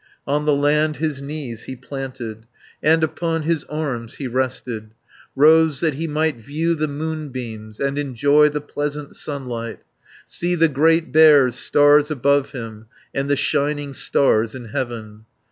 On the land his knees he planted, And upon his arms he rested, Rose that he might view the moonbeams, And enjoy the pleasant sunlight, See the Great Bear's stars above him, And the shining stars in heaven.